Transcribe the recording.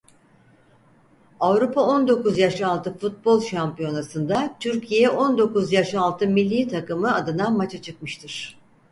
Avrupa on dokuz Yaş Altı Futbol Şampiyonası'nda Türkiye on dokuz yaş altı millî takımı adına maça çıkmıştır.